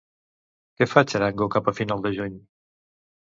Què fa Txarango cap a final de juny?